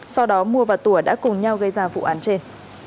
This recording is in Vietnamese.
sau đó mua và tủa đã cùng nhau gây ra vụ án trên